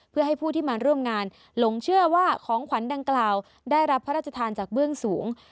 เพื่อให้ผู้ที่มาร่วมงานหลงเชื่อว่าของขวัญดังกล่าวได้รับพระราชทานจากเบื้องสูง